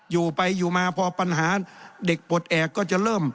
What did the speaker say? อยู่ไปอยู่มาพอปัญหาเด็กปลดแอบก็จะเริ่ม